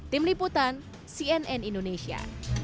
tim liputan cnn indonesia